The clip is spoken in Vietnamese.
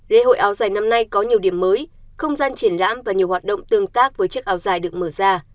lễ hội áo dài năm nay có nhiều điểm mới không gian triển lãm và nhiều hoạt động tương tác với chiếc áo dài được mở ra